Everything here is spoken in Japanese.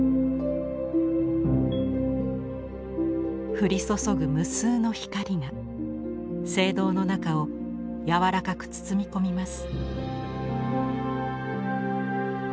降り注ぐ無数の光が聖堂の中を柔らかく包み込みます。